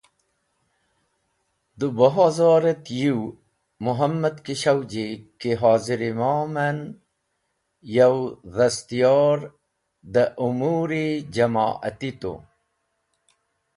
Dẽ bu hazor et yũw, Muhammad Keshavji ki Hozir Imom men yow dhastyor dẽ u’mur-e jamo’ati tu.